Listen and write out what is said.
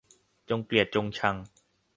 จงเกลียดจงชัง